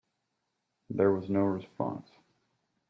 There was no response.